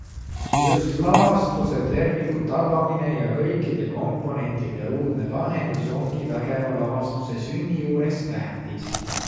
Just lavastuse terviku tabamine ja kõikide komponentide uudne lahendus ongi vägeva lavastuse sünni juures tähtis.